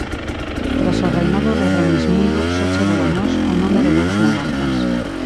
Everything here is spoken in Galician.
Tras o reinado de Remismundo, só chegou a nós o nome de dous monarcas.